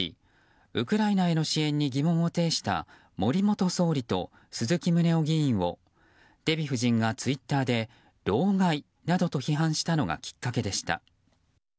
ウクライナへの支援に疑問を呈した森元総理と鈴木宗男議員をデヴィ夫人がツイッターで老害などと批判したのがきっかけでした。